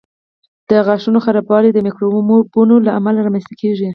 د غاښونو خرابوالی د میکروبونو له امله رامنځته کېږي.